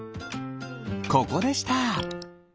ここでした。